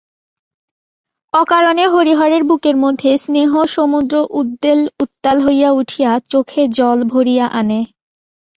অকারণে হরিহরের বুকের মধ্যে স্নেহসমুদ্র উদ্বেল উত্তাল হইয়া উঠিয়া চোখে জল ভরিয়া আনে।